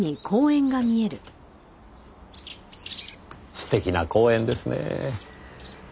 素敵な公園ですねぇ。